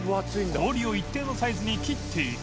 禀垢一定のサイズに切っていく